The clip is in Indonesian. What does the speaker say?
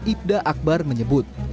ibda akbar menyebut